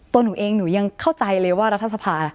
ตัวหนูเองหนูยังเข้าใจเลยว่ารัฐสภา